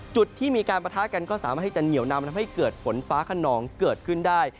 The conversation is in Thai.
จุดที่มีการประทะกันก็สามารถให้จะเหนียวนำทำให้เกิดฝนฟ้าขนองเกิดขึ้นได้